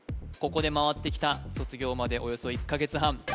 ここで回ってきた卒業までおよそ１カ月半